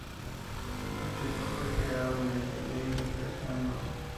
El distrito fue creado mediante Ley de creación No.